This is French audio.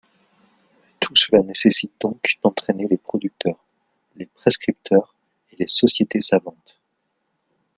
Tout cela nécessite donc d’entraîner les producteurs, les prescripteurs et les sociétés savantes.